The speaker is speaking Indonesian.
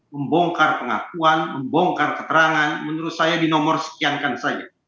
membongkar pengakuan membongkar keterangan menurut saya di nomor sekiankan saja